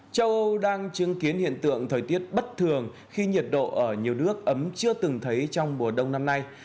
châu âu đang chứng kiến hiện tượng thời tiết bất thường khi nhiệt độ ở nhiều nước ấm chưa từng thấy trong mùa đông năm nay